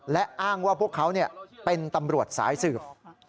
และอ้างว่าพวกเขาเป็นตำรวจสายสืบ